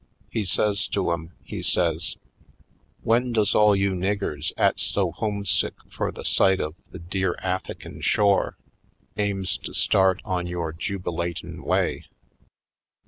He says to 'em, he says: ''Wen does all you niggers 'at's so home sick fur the sight of the dear Affikin shore aims to start on yore jubilatin' way?